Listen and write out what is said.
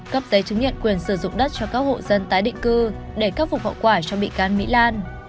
cấp giấy chứng nhận quyền sử dụng đất cho các hộ dân tái định cư để khắc phục hậu quả cho bị can mỹ lan